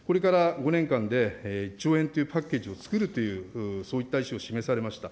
これから５年間で、１兆円というパッケージを作るという、そういった意思を示されました。